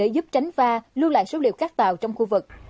để giúp tránh va lưu lại số liệu các tàu trong khu vực